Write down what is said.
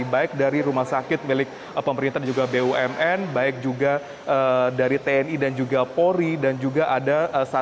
baik dari bagaimana